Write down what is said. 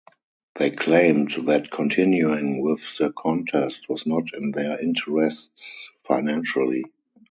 They claimed that continuing with the contest was not in their interests financially.